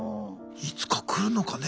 いつか来るのかね